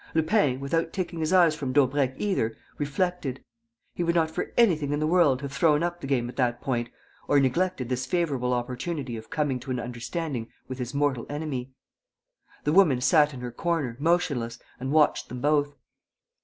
Lupin, without taking his eyes from Daubrecq either, reflected. He would not for anything in the world have thrown up the game at that point or neglected this favourable opportunity of coming to an understanding with his mortal enemy. The woman sat in her corner, motionless, and watched them both.